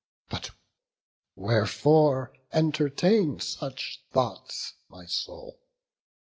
But wherefore entertain such thoughts, my soul?